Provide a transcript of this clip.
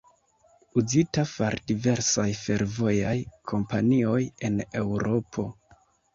Uzita far diversaj fervojaj kompanioj en Eŭropo.